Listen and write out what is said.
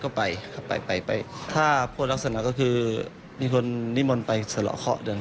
ก็ไปไปไปไปถ้าพูดลักษณะก็คือมีคนนิมนต์ไปสระเขาอย่าง